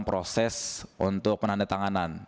proses untuk penanda tanganan